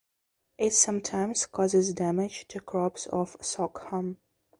It sometimes causes damage to crops of sorghum.